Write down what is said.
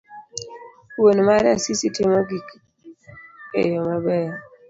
wuon mare Asisi timo gik eyo maber.